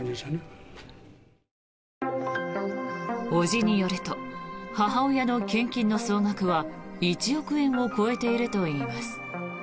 伯父によると母親の献金の総額は１億円を超えているといいます。